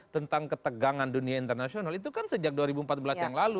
tentang ketegangan dunia internasional itu kan sejak dua ribu empat belas yang lalu